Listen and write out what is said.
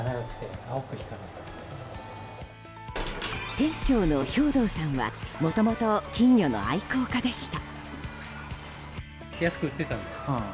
店長の兵頭さんはもともと金魚の愛好家でした。